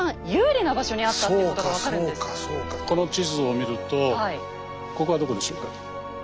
この地図を見るとここはどこでしょうか？